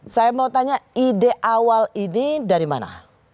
saya mau tanya ide awal ini dari mana